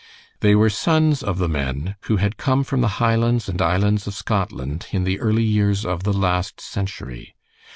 They were sons of the men who had come from the highlands and islands of Scotland in the early years of the last century.